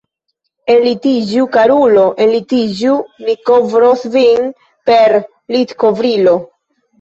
Enlitiĝu, karulo, enlitiĝu, mi kovros vin per litkovrilo.